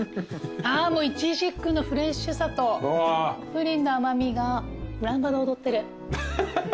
イチジクのフレッシュさとプリンの甘味がランバダ踊ってる。